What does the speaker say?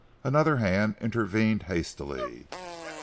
Another hand intervened hastily.